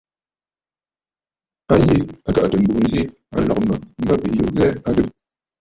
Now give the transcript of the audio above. A yi a kəʼə̀tə̀ m̀burə nzi a nlɔ̀gə mə̀ mə bìʼiyu ghɛɛ a adɨgə.